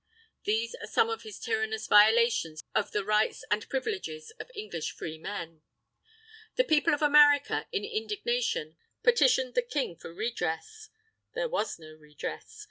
These are some of his tyrannous violations of the rights and privileges of English freemen. The People of America, in indignation, petitioned the King for redress. There was no redress.